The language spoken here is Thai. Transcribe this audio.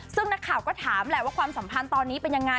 ซึ่งนักข่าวก็ถามแหละว่าความสัมพันธ์ตอนนี้เป็นยังไง